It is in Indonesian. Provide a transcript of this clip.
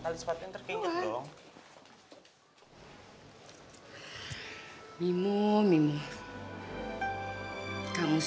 kamu suatu saat akan berterima kasih sama mama